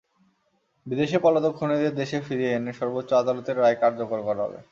বিদেশে পলাতক খুনিদের দেশে ফিরিয়ে এনে সর্বোচ্চ আদালতের রায় কার্যকর করা হবে।